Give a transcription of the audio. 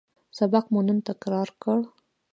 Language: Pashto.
سبق مو نن تکرار کړ